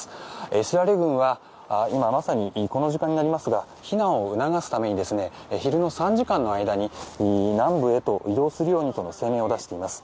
イスラエル軍は今、まさにこの時間になりますが避難を促すために昼の３時間の間に南部へと移動するようにとの声明を出しています。